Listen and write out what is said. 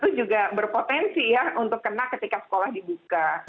itu juga berpotensi ya untuk kena ketika sekolah dibuka